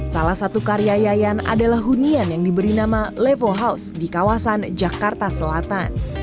salah satu karya yayan adalah hunian yang diberi nama levo house di kawasan jakarta selatan